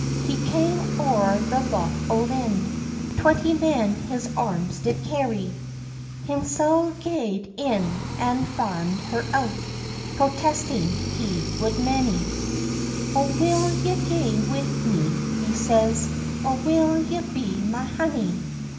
He cam oure the lock o' Lynn, Twenty men his arms did carry; Himsel gaed in, an' fand her out, Protesting he would many. "O will ye gae wi' me," he says, "Or will ye be my honey?